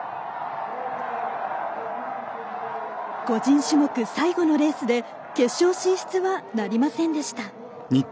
個人種目、最後のレースで決勝進出はなりませんでした。